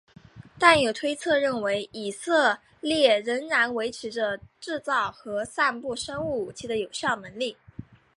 但有推测认为以色列仍然维持着制造和散布生物武器的有效能力。